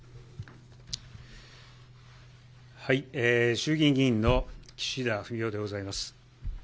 衆議院議員の岸田文雄でございます。